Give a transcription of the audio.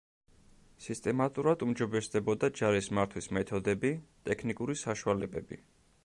სისტემატურად უმჯობესდებოდა ჯარის მართვის მეთოდები, ტექნიკური საშუალებები.